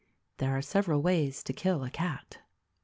"There are several ways to kill a cat."